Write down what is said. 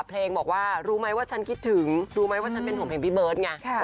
เพลงบอกว่ารู้ไหมว่าฉันคิดถึงรู้ไหมว่าฉันเป็นผมเห็นพี่เบิร์ตไง